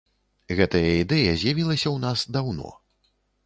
Гэтая ідэя з'явілася ў нас даўно.